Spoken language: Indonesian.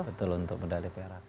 betul untuk medali perak